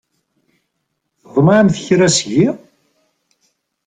Tḍemɛemt kra seg-i?